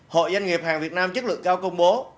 hội doanh nghiệp hàng việt nam chất lượng cao công bố